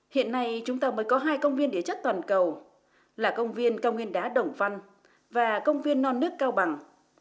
hiện nay chúng ta mới có hai công viên địa chất toàn cầu là công viên cao nguyên đá đồng văn và công viên non nước cao bằng